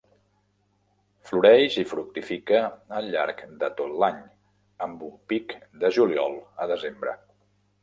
Floreix i fructifica al llarg de tot l'any amb un pic de juliol a desembre.